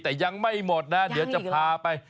แต่ยังไม่หมดนะเดี๋ยวจะพาไป